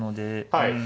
はい。